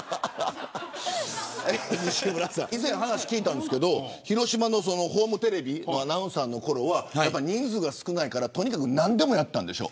以前、話を聞いたんですけど広島ホームテレビのアナウンサーのころは人数が少ないから何でもやったんでしょ。